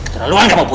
terlalu anggap om put